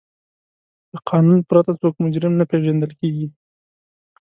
له قانون پرته څوک مجرم نه پیژندل کیږي.